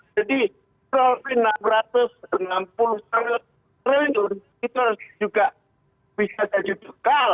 jadi rp enam ratus enam puluh triliun itu juga bisa jadi bekal